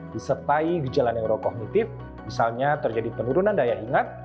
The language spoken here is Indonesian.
disertai gejala neurokognitif misalnya terjadi penurunan daya ingat